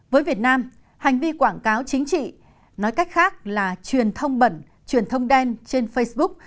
với việt nam hành vi quảng cáo chính trị nói cách khác là truyền thông bẩn truyền thông đen trên facebook